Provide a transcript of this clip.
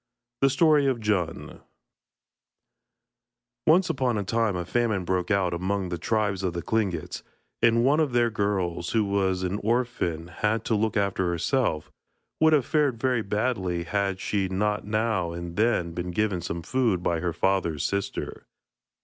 THE STORY OF DJUN Once upon a time a famine broke out among the tribe of the Tlingits, and one of their girls, who was an orphan and had to look after herself, would have fared very badly had she not now and then been given some food by her father's sister.